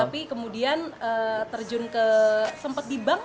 tapi kemudian terjun ke sempat di bank